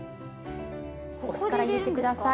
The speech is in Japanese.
お酢から入れて下さい。